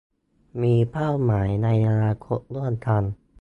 มีเป้าหมายในอนาคตร่วมกัน